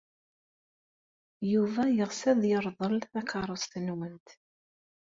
Yuba yeɣs ad yerḍel takeṛṛust-nwent.